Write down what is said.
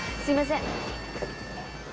すいません。